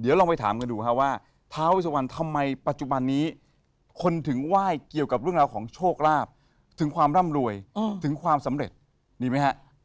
เดี๋ยวลองไปถามกันดูฮะว่าท้าเวสวันทำไมปัจจุบันนี้คนถึงไหว้เกี่ยวกับเรื่องราวของโชคลาภถึงความร่ำรวยถึงความสำเร็จดีไหมฮะ